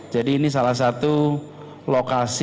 jadi ini salah satu lokasi